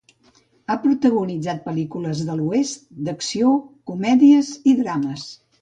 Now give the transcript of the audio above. Ha protagonitzat pel·lícules de l'oest, d'acció, comèdies i drames.